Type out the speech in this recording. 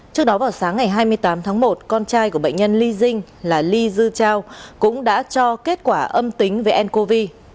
trước đó vào sáng ngày hai mươi tám tháng một con trai của bệnh nhân ly dinh là ly dư trao cũng đã cho kết quả âm tính với n cov